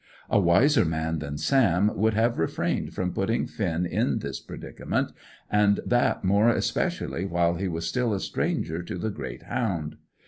A wiser man than Sam would have refrained from putting Finn in this predicament, and that more especially while he was still a stranger to the great hound.